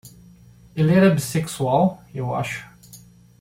Ele era bissexual? eu acho.